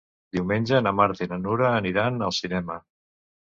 Diumenge na Marta i na Nura aniran al cinema.